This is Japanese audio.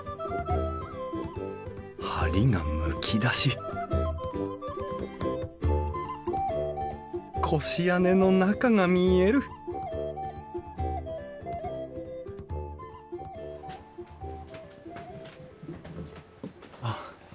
梁がむき出し越屋根の中が見えるあ。